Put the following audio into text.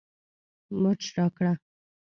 مرچ راکړه